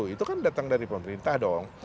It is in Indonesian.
itu kan datang dari pemerintah dong